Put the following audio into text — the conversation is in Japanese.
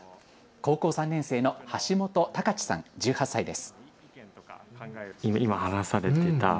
高校３年生の橋本貴智さん１８歳です。